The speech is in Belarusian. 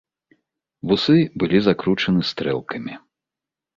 Вусы былі закручаны стрэлкамі.